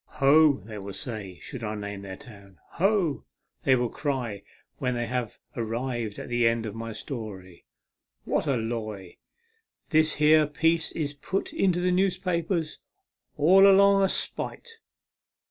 " Ho !" they will say, should I name their town. " Ho !" they will cry when they have arrived at the end of my story, " what a loy ! This here piece is put into the newspapers all along o' spite.